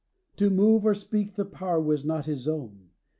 VII. To move or speak the power was not his own.